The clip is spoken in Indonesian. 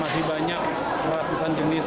masih banyak ratusan jenis